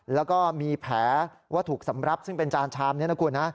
แล้วก็มีแผลวัตถุสำรับซึ่งเป็นจานชามนี้นะคุณนะ